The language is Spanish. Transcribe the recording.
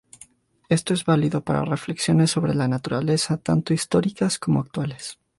Esto es válido para reflexiones sobre la naturaleza tanto históricas como actuales.